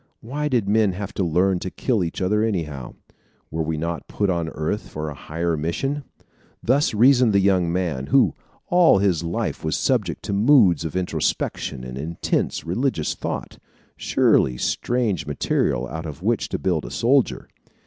Why did men have to learn to kill each other anyhow? Were we not put on earth for a higher mission? Thus reasoned the young man, who, all his life, was subject to moods of introspection and intense religious thought surely strange material out of which to build a soldier!